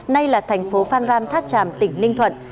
nay là thành phố phan rang tháp tràm tỉnh ninh thuận